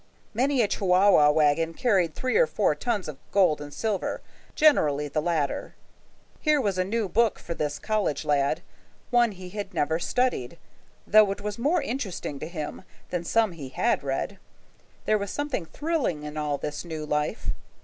Many a Chihuahua wagon carried three or four tons of gold and silver, generally the latter. Here was a new book for this college lad, one he had never studied, though it was more interesting to him than some he had read. There was something thrilling in all this new life.